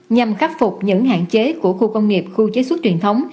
nhằm khắc phục những hạn chế của khu công nghiệp khu chế xuất truyền thống